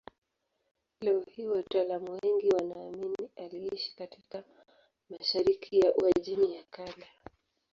Leo hii wataalamu wengi wanaamini aliishi katika mashariki ya Uajemi ya Kale.